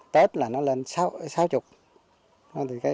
tết là nó lên sáu mươi